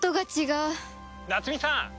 夏美さん！